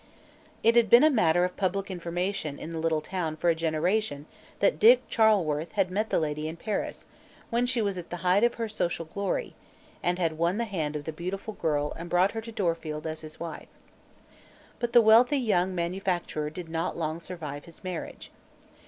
It had been a matter of public information in the little town for a generation that Dick Charleworth had met the lady in Paris, when she was at the height of her social glory, and had won the hand of the beautiful girl and brought her to Dorfield as his wife. But the wealthy young manufacturer did not long survive his marriage.